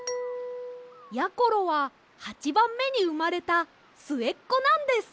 ころは８ばんめにうまれたすえっこなんです！